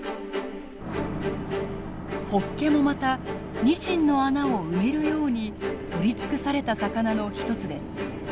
ホッケもまたニシンの穴を埋めるように取り尽くされた魚の一つです。